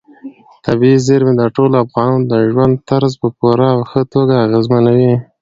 طبیعي زیرمې د ټولو افغانانو د ژوند طرز په پوره او ښه توګه اغېزمنوي.